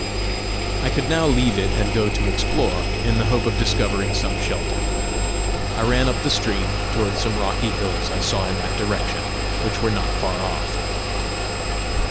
I could now leave it and go to explore, in the hope of discovering some shelter. I ran up the stream toward some rocky hills I saw in that direction, which were not far off.